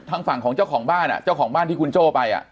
ทางฝั่งของเจ้าของบ้านอ่ะเจ้าของบ้านที่คุณโจ้ไปอ่ะ